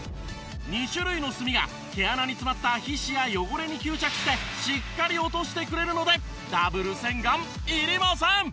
２種類の炭が毛穴に詰まった皮脂や汚れに吸着してしっかり落としてくれるのでダブル洗顔いりません！